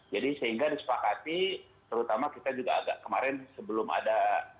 jadi sehingga disepakati terutama kita juga agak kemarin sebelum ada